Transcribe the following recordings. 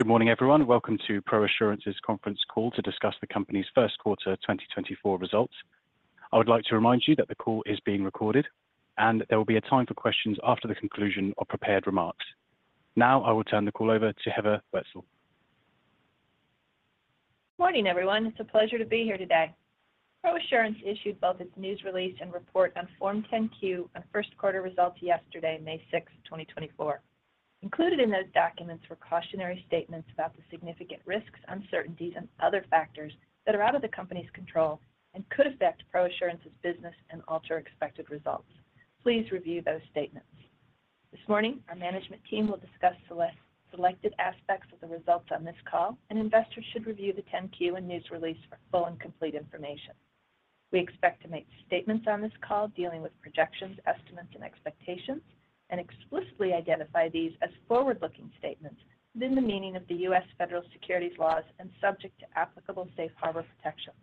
Good morning, everyone. Welcome to ProAssurance's Conference Call to Discuss the Company's First Quarter 2024 Results. I would like to remind you that the call is being recorded, and there will be a time for questions after the conclusion of prepared remarks. Now, I will turn the call over to Heather Wetzel. Morning, everyone. It's a pleasure to be here today. ProAssurance issued both its news release and report on Form 10-Q on first quarter results yesterday, May 6, 2024. Included in those documents were cautionary statements about the significant risks, uncertainties, and other factors that are out of the company's control and could affect ProAssurance's business and alter expected results. Please review those statements. This morning, our management team will discuss selected aspects of the results on this call, and investors should review the 10-Q and news release for full and complete information. We expect to make statements on this call dealing with projections, estimates, and expectations, and explicitly identify these as forward-looking statements within the meaning of the U.S. Federal securities laws and subject to applicable safe harbor protections.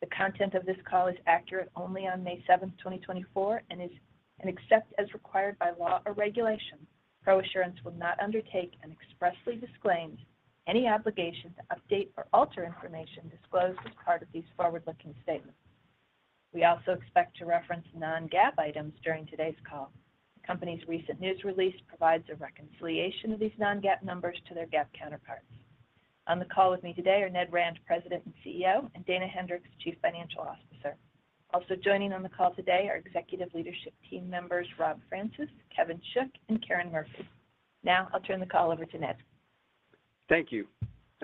The content of this call is accurate only on May 7, 2024, and except as required by law or regulation, ProAssurance will not undertake and expressly disclaims any obligation to update or alter information disclosed as part of these forward-looking statements. We also expect to reference non-GAAP items during today's call. The company's recent news release provides a reconciliation of these non-GAAP numbers to their GAAP counterparts. On the call with me today are Ned Rand, President and CEO, and Dana Hendricks, Chief Financial Officer. Also joining on the call today are executive leadership team members Rob Francis, Kevin Shook, and Karen Murphy. Now, I'll turn the call over to Ned. Thank you.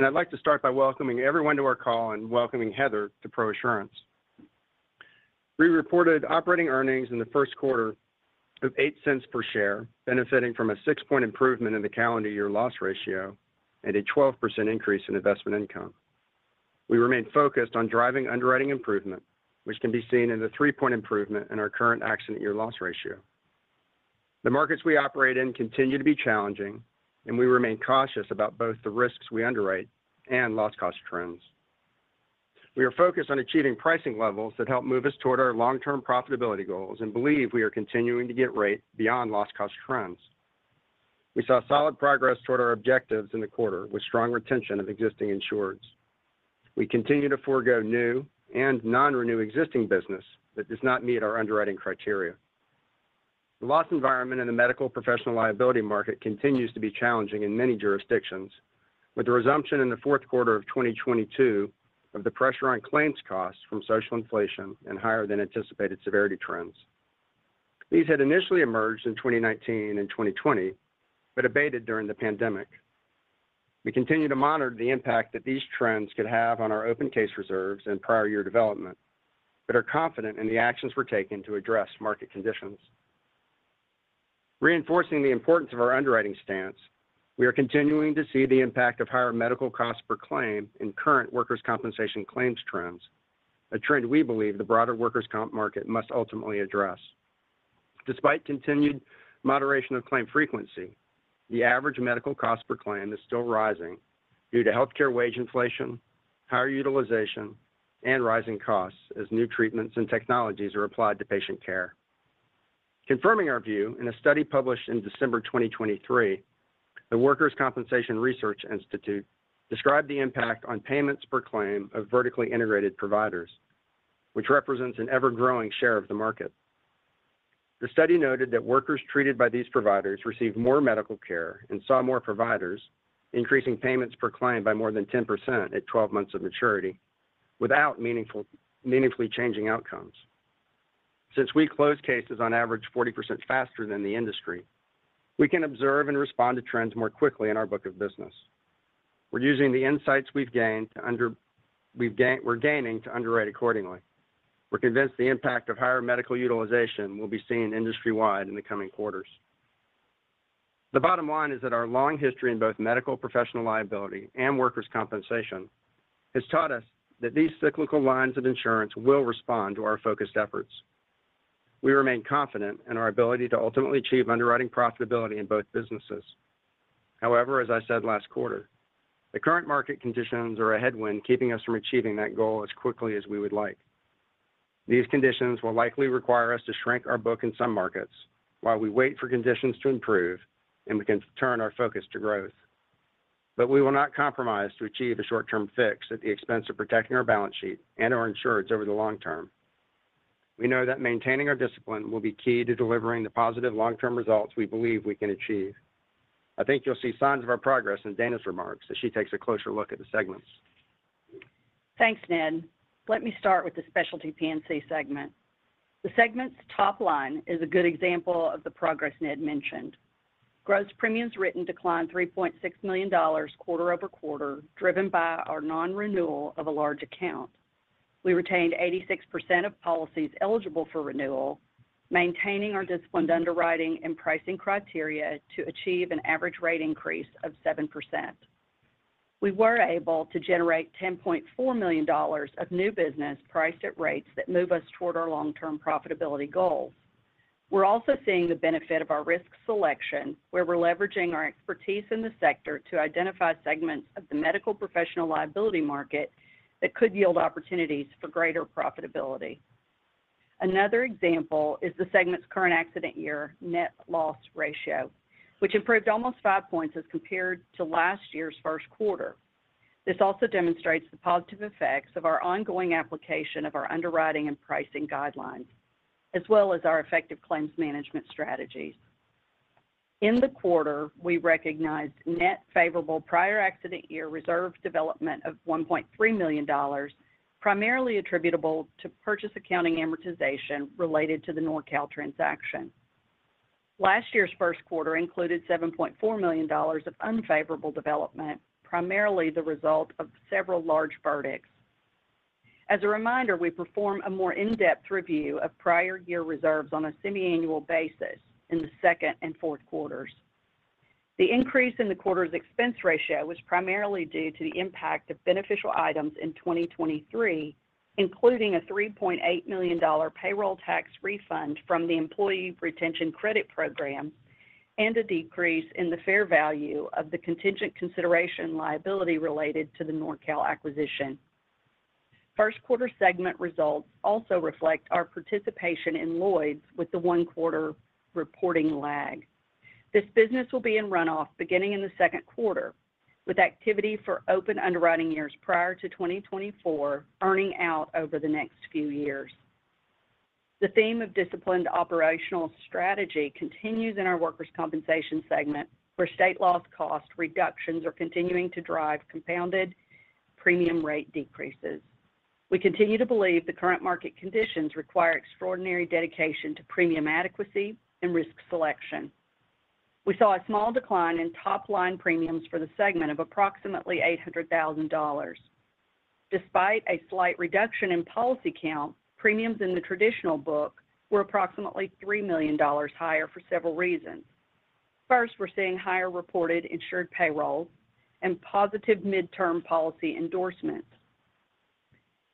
I'd like to start by welcoming everyone to our call and welcoming Heather to ProAssurance. We reported operating earnings in the first quarter of $0.08 per share, benefiting from a six-point improvement in the calendar year loss ratio and a 12% increase in investment income. We remain focused on driving underwriting improvement, which can be seen in the three-point improvement in our current accident year loss ratio. The markets we operate in continue to be challenging, and we remain cautious about both the risks we underwrite and loss cost trends. We are focused on achieving pricing levels that help move us toward our long-term profitability goals and believe we are continuing to get rate beyond loss cost trends. We saw solid progress toward our objectives in the quarter, with strong retention of existing insureds. We continue to forego new and non-renew existing business that does not meet our underwriting criteria. The loss environment in the medical professional liability market continues to be challenging in many jurisdictions, with the resumption in the fourth quarter of 2022 of the pressure on claims costs from social inflation and higher than anticipated severity trends. These had initially emerged in 2019 and 2020, but abated during the pandemic. We continue to monitor the impact that these trends could have on our open case reserves and prior year development, but are confident in the actions we're taking to address market conditions. Reinforcing the importance of our underwriting stance, we are continuing to see the impact of higher medical costs per claim in current Workers' Compensation claims trends, a trend we believe the broader workers' comp market must ultimately address. Despite continued moderation of claim frequency, the average medical cost per claim is still rising due to healthcare wage inflation, higher utilization, and rising costs as new treatments and technologies are applied to patient care. Confirming our view, in a study published in December 2023, the Workers' Compensation Research Institute described the impact on payments per claim of vertically integrated providers, which represents an ever-growing share of the market. The study noted that workers treated by these providers received more medical care and saw more providers, increasing payments per claim by more than 10% at 12 months of maturity, without meaningfully changing outcomes. Since we close cases on average 40% faster than the industry, we can observe and respond to trends more quickly in our book of business. We're using the insights we're gaining to underwrite accordingly. We're convinced the impact of higher medical utilization will be seen industry-wide in the coming quarters. The bottom line is that our long history in both medical professional liability and workers' compensation has taught us that these cyclical lines of insurance will respond to our focused efforts. We remain confident in our ability to ultimately achieve underwriting profitability in both businesses. However, as I said last quarter, the current market conditions are a headwind, keeping us from achieving that goal as quickly as we would like. These conditions will likely require us to shrink our book in some markets while we wait for conditions to improve, and we can turn our focus to growth. But we will not compromise to achieve a short-term fix at the expense of protecting our balance sheet and our insureds over the long term. We know that maintaining our discipline will be key to delivering the positive long-term results we believe we can achieve. I think you'll see signs of our progress in Dana's remarks, as she takes a closer look at the segments. Thanks, Ned. Let me start with the Specialty P&C segment. The segment's top line is a good example of the progress Ned mentioned. Gross premiums written declined $3.6 million quarter-over-quarter, driven by our non-renewal of a large account. We retained 86% of policies eligible for renewal, maintaining our disciplined underwriting and pricing criteria to achieve an average rate increase of 7%. We were able to generate $10.4 million of new business priced at rates that move us toward our long-term profitability goals. We're also seeing the benefit of our risk selection, where we're leveraging our expertise in the sector to identify segments of the Medical Professional Liability market that could yield opportunities for greater profitability. Another example is the segment's current accident year net loss ratio, which improved almost five points as compared to last year's first quarter. This also demonstrates the positive effects of our ongoing application of our underwriting and pricing guidelines, as well as our effective claims management strategies. In the quarter, we recognized net favorable prior accident year reserve development of $1.3 million, primarily attributable to purchase accounting amortization related to the Norcal transaction. Last year's first quarter included $7.4 million of unfavorable development, primarily the result of several large verdicts. As a reminder, we perform a more in-depth review of prior year reserves on a semiannual basis in the second and fourth quarters. The increase in the quarter's expense ratio was primarily due to the impact of beneficial items in 2023, including a $3.8 million payroll tax refund from the Employee Retention Credit program and a decrease in the fair value of the contingent consideration liability related to the Norcal acquisition. First quarter segment results also reflect our participation in Lloyd's with the one quarter reporting lag. This business will be in runoff beginning in the second quarter, with activity for open underwriting years prior to 2024 earning out over the next few years. The theme of disciplined operational strategy continues in our workers' compensation segment, where state loss cost reductions are continuing to drive compounded premium rate decreases. We continue to believe the current market conditions require extraordinary dedication to premium adequacy and risk selection. We saw a small decline in top-line premiums for the segment of approximately $800,000. Despite a slight reduction in policy count, premiums in the traditional book were approximately $3 million higher for several reasons. First, we're seeing higher reported insured payrolls and positive midterm policy endorsements.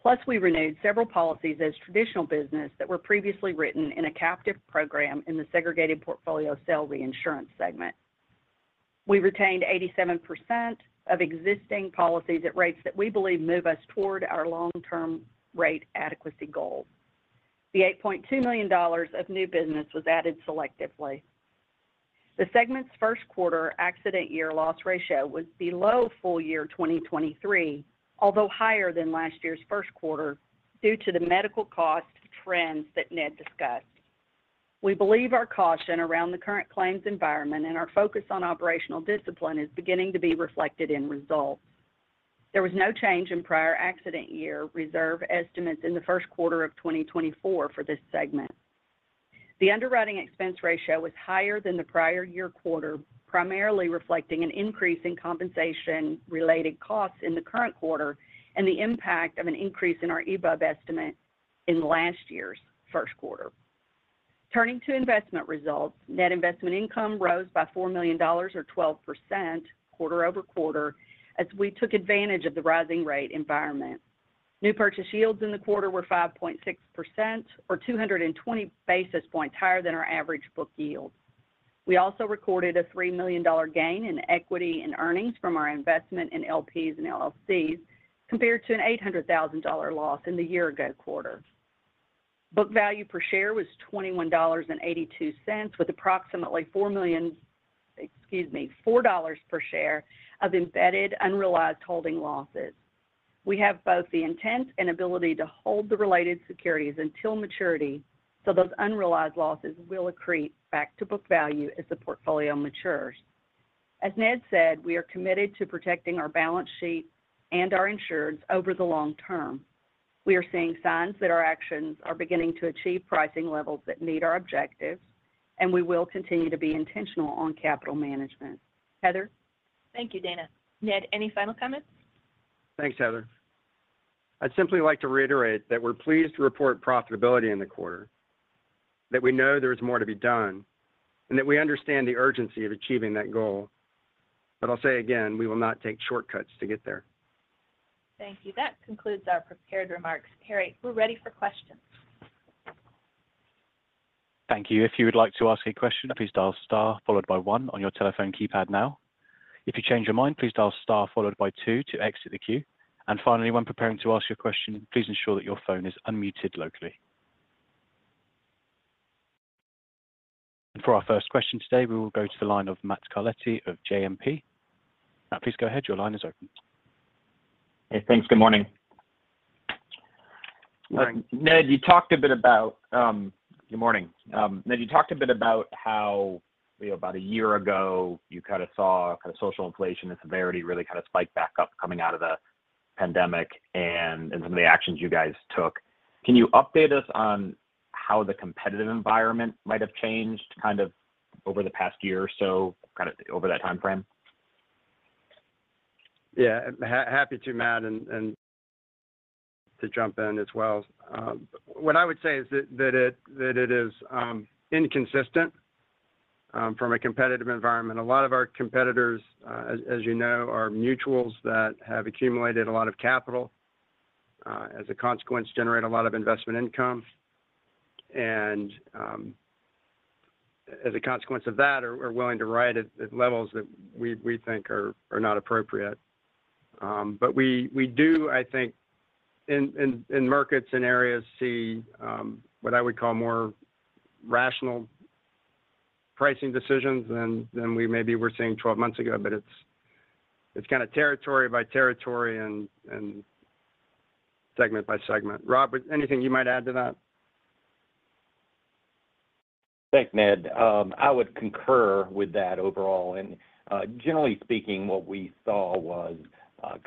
Plus, we renewed several policies as traditional business that were previously written in a captive program in the Segregated Portfolio Cell Reinsurance segment. We retained 87% of existing policies at rates that we believe move us toward our long-term rate adequacy goals. The $8.2 million of new business was added selectively. The segment's first quarter accident year loss ratio was below full year 2023, although higher than last year's first quarter, due to the medical cost trends that Ned discussed. We believe our caution around the current claims environment and our focus on operational discipline is beginning to be reflected in results. There was no change in prior accident year reserve estimates in the first quarter of 2024 for this segment. The underwriting expense ratio was higher than the prior-year quarter, primarily reflecting an increase in compensation-related costs in the current quarter and the impact of an increase in our EBUB estimate in last year's first quarter. Turning to investment results, net investment income rose by $4 million or 12% quarter-over-quarter, as we took advantage of the rising rate environment. New purchase yields in the quarter were 5.6% or 220 basis points higher than our average book yield. We also recorded a $3 million gain in equity in earnings from our investment in LPs and LLCs, compared to an $800,000 loss in the year-ago quarter. Book value per share was $21.82, with approximately 4 million-- excuse me, $4 per share of embedded, unrealized holding losses. We have both the intent and ability to hold the related securities until maturity, so those unrealized losses will accrete back to book value as the portfolio matures. As Ned said, we are committed to protecting our balance sheet and our insureds over the long term. We are seeing signs that our actions are beginning to achieve pricing levels that meet our objectives, and we will continue to be intentional on capital management. Heather? Thank you, Dana. Ned, any final comments? Thanks, Heather. I'd simply like to reiterate that we're pleased to report profitability in the quarter, that we know there is more to be done, and that we understand the urgency of achieving that goal. But I'll say again, we will not take shortcuts to get there. Thank you. That concludes our prepared remarks. Harry, we're ready for questions. Thank you. If you would like to ask a question, please dial star followed by one on your telephone keypad now. If you change your mind, please dial star followed by two to exit the queue. And finally, when preparing to ask your question, please ensure that your phone is unmuted locally. And for our first question today, we will go to the line of Matt Carletti of JMP. Matt, please go ahead. Your line is open. Hey, thanks. Good morning. Ned, you talked a bit about how, you know, about a year ago, you kind of saw kind of social inflation and severity really kind of spike back up coming out of the pandemic and some of the actions you guys took. Can you update us on how the competitive environment might have changed, kind of over the past year or so, kind of over that time frame? Yeah, happy to, Matt, and to jump in as well. What I would say is that it is inconsistent from a competitive environment. A lot of our competitors, as you know, are mutuals that have accumulated a lot of capital. As a consequence, generate a lot of investment income. And as a consequence of that, are willing to write at levels that we think are not appropriate. But we do, I think, in markets and areas, see what I would call more rational pricing decisions than we maybe were seeing 12 months ago. But it's kind of territory by territory and segment by segment. Rob, anything you might add to that? Thanks, Ned. I would concur with that overall. And, generally speaking, what we saw was,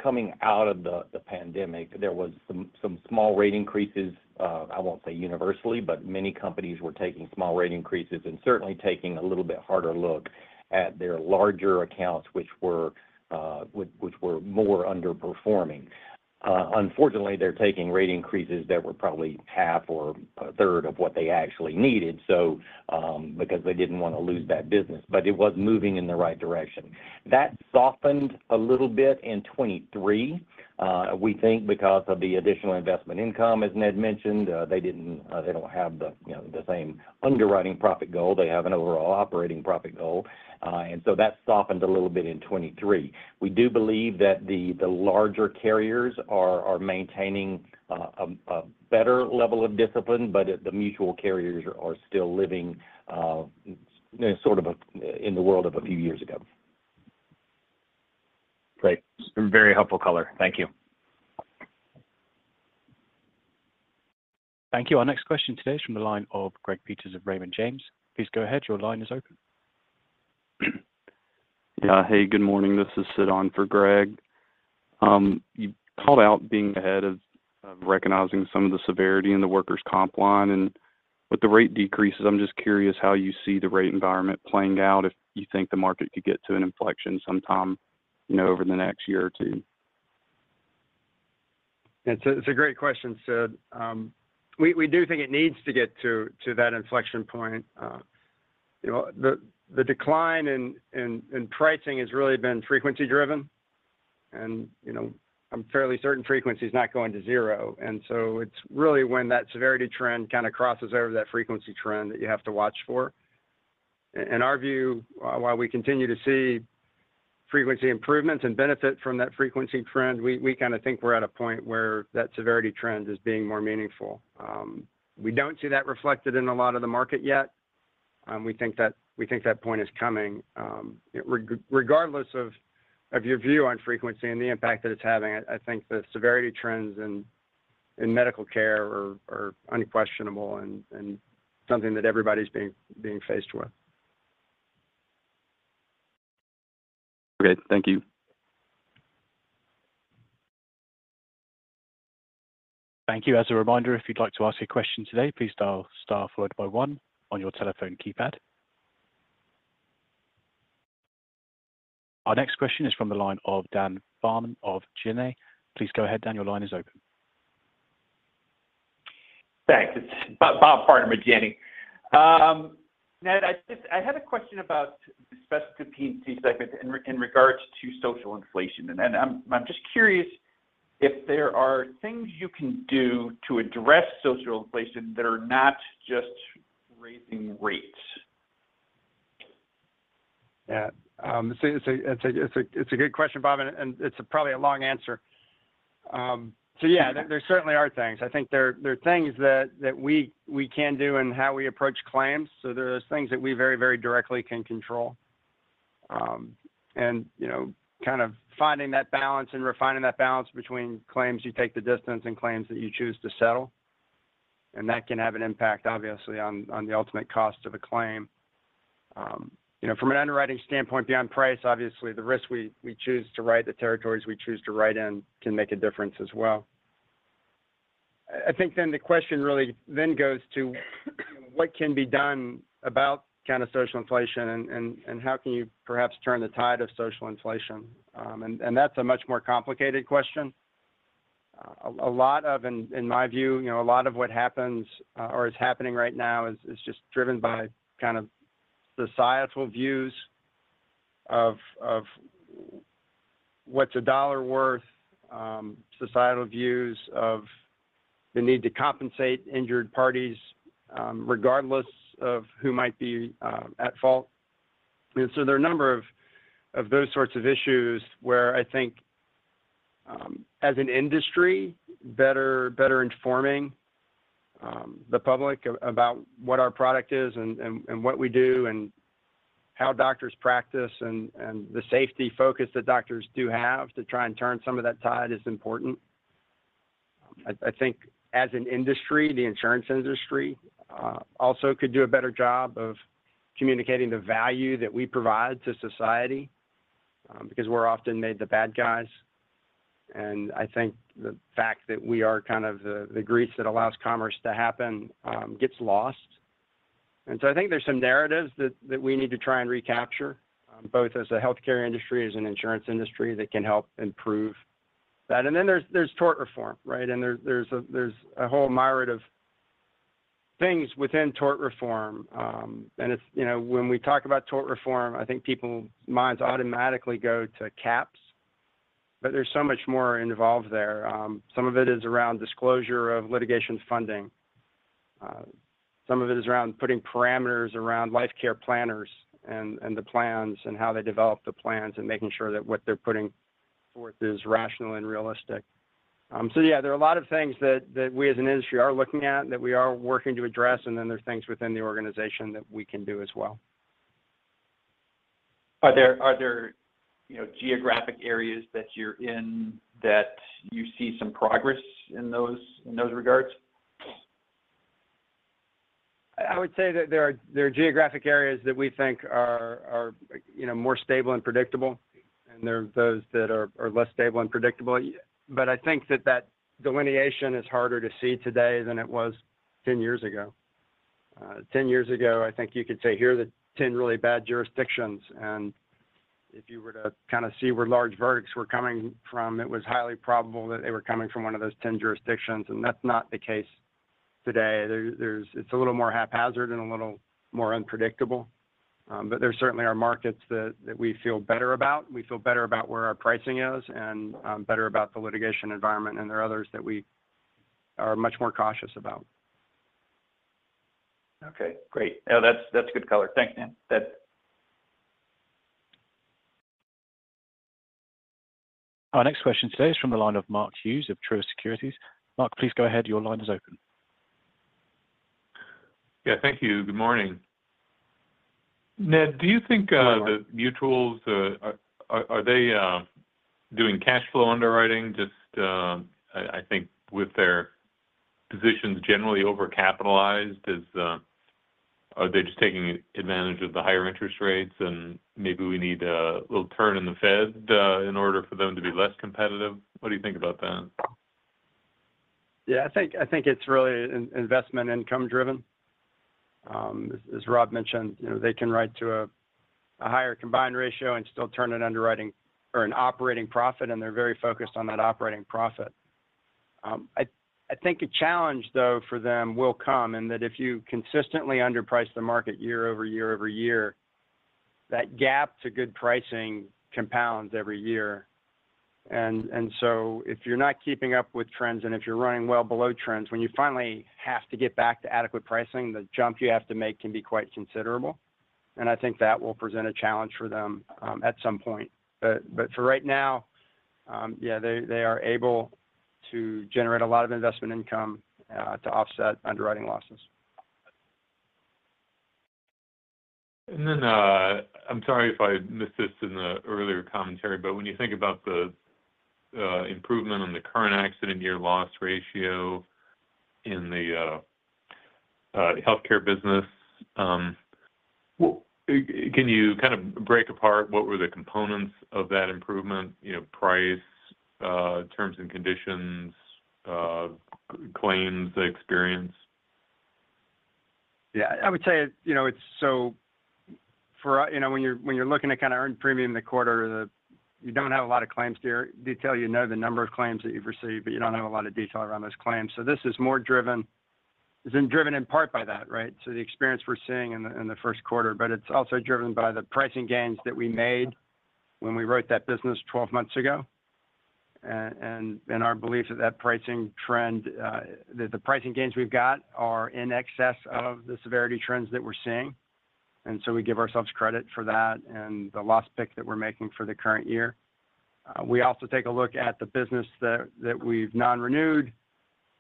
coming out of the pandemic, there was some small rate increases. I won't say universally, but many companies were taking small rate increases and certainly taking a little bit harder look at their larger accounts, which were more underperforming. Unfortunately, they're taking rate increases that were probably half or a third of what they actually needed, so, because they didn't want to lose that business, but it was moving in the right direction. That softened a little bit in 2023, we think because of the additional investment income, as Ned mentioned, they don't have the, you know, the same underwriting profit goal, they have an overall operating profit goal, and so that softened a little bit in 2023. We do believe that the larger carriers are maintaining a better level of discipline, but the mutual carriers are still living sort of in the world of a few years ago. Great. Some very helpful color. Thank you. Thank you. Our next question today is from the line of Greg Peters of Raymond James. Please go ahead. Your line is open. Yeah. Hey, good morning. This is Sid on for Greg. You called out being ahead of, of recognizing some of the severity in the workers' comp line, and with the rate decreases, I'm just curious how you see the rate environment playing out, if you think the market could get to an inflection sometime, you know, over the next year or two? It's a great question, Sid. We do think it needs to get to that inflection point. You know, the decline in pricing has really been frequency driven, and, you know, I'm fairly certain frequency is not going to zero. And so it's really when that severity trend kind of crosses over that frequency trend that you have to watch for. In our view, while we continue to see frequency improvements and benefit from that frequency trend, we kind of think we're at a point where that severity trend is being more meaningful. We don't see that reflected in a lot of the market yet. We think that point is coming. Regardless of your view on frequency and the impact that it's having, I think the severity trends in medical care are unquestionable and something that everybody's being faced with. Okay. Thank you. Thank you. As a reminder, if you'd like to ask a question today, please dial star followed by one on your telephone keypad. Our next question is from the line of Bob Farnam of Janney Montgomery Scott. Please go ahead, Bob, your line is open. Thanks. It's Bob Farnam with Janney. Ned, I just had a question about the specific P&C segment in regards to social inflation. And I'm just curious if there are things you can do to address social inflation that are not just raising rates? Yeah. So it's a good question, Bob, and it's probably a long answer. So yeah, there certainly are things. I think there are things that we can do in how we approach claims. So there are things that we very, very directly can control. And, you know, kind of finding that balance and refining that balance between claims you take the distance and claims that you choose to settle, and that can have an impact, obviously, on the ultimate cost of a claim. You know, from an underwriting standpoint, beyond price, obviously, the risk we choose to write, the territories we choose to write in can make a difference as well. I think then the question really then goes to what can be done about kind of social inflation and how can you perhaps turn the tide of social inflation? And that's a much more complicated question. In my view, you know, a lot of what happens or is happening right now is just driven by kind of societal views of what's a dollar worth, societal views of the need to compensate injured parties, regardless of who might be at fault. And so there are a number of those sorts of issues where I think, as an industry, better informing the public about what our product is and what we do, and how doctors practice, and the safety focus that doctors do have to try and turn some of that tide is important. I think as an industry, the insurance industry, also could do a better job of communicating the value that we provide to society, because we're often made the bad guys. And I think the fact that we are kind of the grease that allows commerce to happen gets lost. And so I think there's some narratives that we need to try and recapture, both as a healthcare industry, as an insurance industry, that can help improve that. And then there's tort reform, right? And there's a whole myriad of things within tort reform. And it's, you know, when we talk about tort reform, I think people's minds automatically go to caps-... but there's so much more involved there. Some of it is around disclosure of litigation funding. Some of it is around putting parameters around life care planners and the plans and how they develop the plans, and making sure that what they're putting forth is rational and realistic. So yeah, there are a lot of things that we as an industry are looking at and that we are working to address, and then there's things within the organization that we can do as well. Are there, you know, geographic areas that you're in that you see some progress in those regards? I would say that there are geographic areas that we think are, you know, more stable and predictable, and there are those that are less stable and predictable. But I think that that delineation is harder to see today than it was 10 years ago. Ten years ago, I think you could say, "Here are the 10 really bad jurisdictions," and if you were to kind of see where large verdicts were coming from, it was highly probable that they were coming from one of those 10 jurisdictions, and that's not the case today. There's—It's a little more haphazard and a little more unpredictable. But there certainly are markets that we feel better about. We feel better about where our pricing is and better about the litigation environment, and there are others that we are much more cautious about. Okay, great. No, that's, that's good color. Thank you, Ned. Our next question today is from the line of Mark Hughes of Truist Securities. Mark, please go ahead. Your line is open. Yeah, thank you. Good morning. Ned, do you think the mutuals are doing cash flow underwriting just? I think with their positions generally overcapitalized, are they just taking advantage of the higher interest rates, and maybe we need a little turn in the Fed in order for them to be less competitive? What do you think about that? Yeah, I think it's really investment income driven. As Rob mentioned, you know, they can write to a higher combined ratio and still turn an underwriting or an operating profit, and they're very focused on that operating profit. I think a challenge, though, for them will come, and that if you consistently underprice the market year over year over year, that gap to good pricing compounds every year. And so if you're not keeping up with trends and if you're running well below trends, when you finally have to get back to adequate pricing, the jump you have to make can be quite considerable, and I think that will present a challenge for them at some point. But for right now, yeah, they are able to generate a lot of investment income to offset underwriting losses. And then, I'm sorry if I missed this in the earlier commentary, but when you think about the improvement on the current accident year loss ratio in the healthcare business, can you kind of break apart what were the components of that improvement? You know, price, terms and conditions, claims, the experience. Yeah. I would say, you know, it's, so for us. You know, when you're looking to kind of earn premium in the quarter, the. You don't have a lot of claims detail. You know the number of claims that you've received, but you don't have a lot of detail around those claims. So this is more driven, it's been driven in part by that, right? So the experience we're seeing in the first quarter, but it's also driven by the pricing gains that we made when we wrote that business 12 months ago. And our belief is that pricing trend, the pricing gains we've got are in excess of the severity trends that we're seeing, and so we give ourselves credit for that and the loss pick that we're making for the current year. We also take a look at the business that, that we've non-renewed,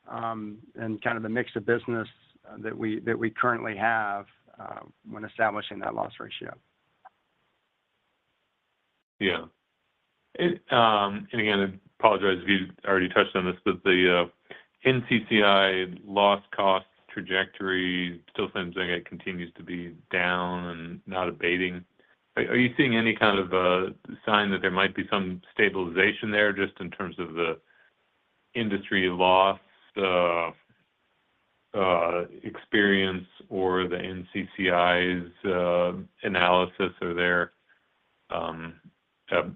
and kind of the mix of business, that we, that we currently have, when establishing that loss ratio. Yeah. And again, I apologize if you already touched on this, but the NCCI loss cost trajectory still seems like it continues to be down and not abating. Are you seeing any kind of sign that there might be some stabilization there, just in terms of the industry loss experience or the NCCI's analysis or their,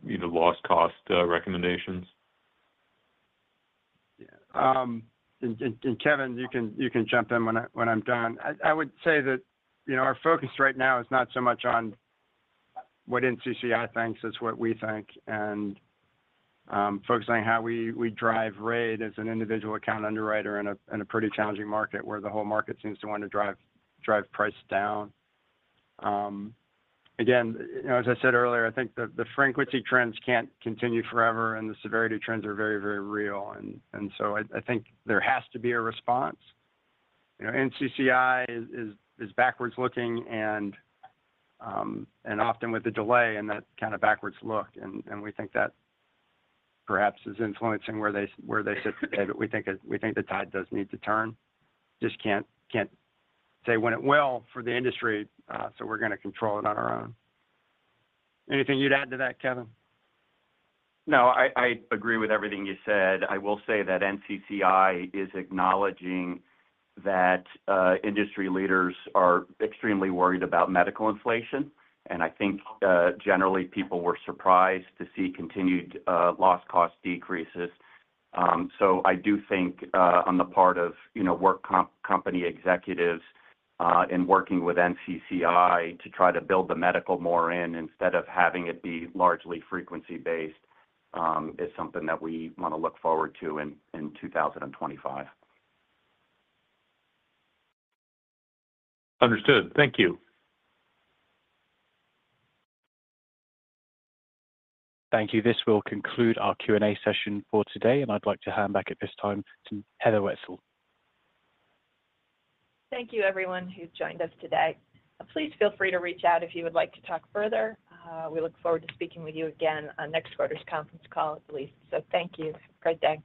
you know, loss cost recommendations? Yeah. And Kevin, you can jump in when I'm done. I would say that, you know, our focus right now is not so much on what NCCI thinks, it's what we think, and focusing on how we drive rate as an individual account underwriter in a pretty challenging market, where the whole market seems to want to drive prices down. Again, you know, as I said earlier, I think the frequency trends can't continue forever, and the severity trends are very, very real, and so I think there has to be a response. You know, NCCI is backwards-looking and often with a delay in that kind of backwards look, and we think that perhaps is influencing where they sit today. But we think that we think the tide does need to turn. Just can't, can't say when it will for the industry, so we're going to control it on our own. Anything you'd add to that, Kevin? No, I agree with everything you said. I will say that NCCI is acknowledging that industry leaders are extremely worried about medical inflation, and I think generally, people were surprised to see continued loss cost decreases. So I do think on the part of, you know, work comp company executives in working with NCCI to try to build the medical model, instead of having it be largely frequency-based, is something that we want to look forward to in 2025. Understood. Thank you. Thank you. This will conclude our Q&A session for today, and I'd like to hand back at this time to Heather Wetzel. Thank you, everyone, who joined us today. Please feel free to reach out if you would like to talk further. We look forward to speaking with you again on next quarter's conference call at least. Thank you. Great day.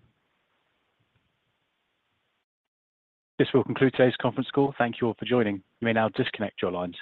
This will conclude today's conference call. Thank you all for joining. You may now disconnect your lines.